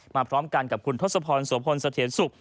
พร้อมกันกับคุณทศพรสวพลสะเทียนสุข